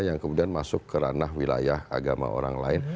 yang kemudian masuk ke ranah wilayah agama orang lain